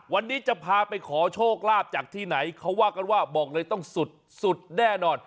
วันนี้จะพาไปขอโชคลาภจากที่ไหนเขาว่ากันว่าบอกเลยต้องสุดสุดแน่นอน